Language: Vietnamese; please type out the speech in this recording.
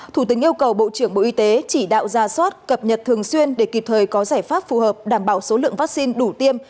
thủ tướng yêu cầu bộ trưởng bộ y tế chỉ đạo ra soát cập nhật thường xuyên để kịp thời có giải pháp phù hợp đảm bảo số lượng vaccine đủ tiêm